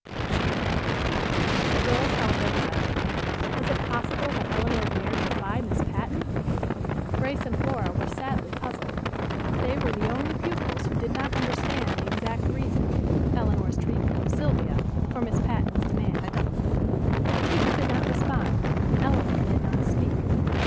she demanded. The girls held their breath. Was it possible that Elinor dared defy Miss Patten? Grace and Flora were sadly puzzled. They were the only pupils who did not understand the exact reason, Elinor's treatment of Sylvia, for Miss Patten's demand. The teacher did not respond, and Elinor did not speak.